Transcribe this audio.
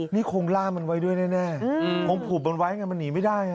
นี่คงล่ามันไว้ด้วยแน่คงผูกมันไว้ไงมันหนีไม่ได้